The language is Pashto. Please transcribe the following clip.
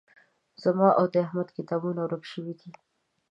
زما او د احمد کتابونه ورک شوي دي